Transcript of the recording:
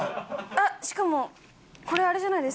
あっしかもこれあれじゃないですか？